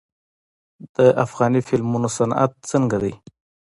د افغاني فلمونو صنعت څنګه دی؟